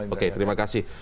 oke terima kasih